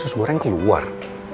usus goreng keluar